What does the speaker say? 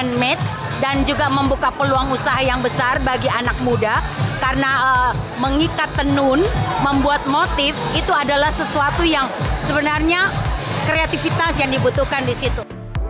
dengan made dan juga membuka peluang usaha yang besar bagi anak muda karena mengikat tenun membuat motif itu adalah sesuatu yang sebenarnya kreativitas yang dibutuhkan di situ